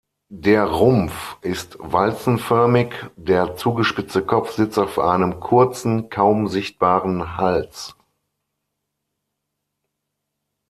Der Rumpf ist walzenförmig, der zugespitzte Kopf sitzt auf einem kurzen, kaum sichtbaren Hals.